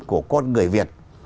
của con người việt